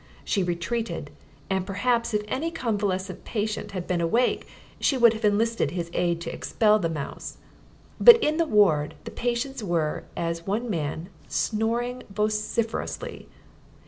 She retreated, and perhaps if any convalescent patient had been awake she would have enlisted his aid to expel the mouse; but in the ward the patients were, as one man, snoring vociferously.